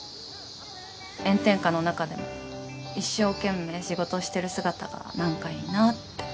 炎天下の中でも一生懸命仕事してる姿が何かいいなって。